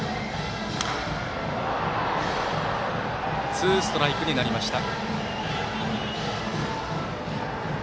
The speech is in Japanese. ツーストライクになりました。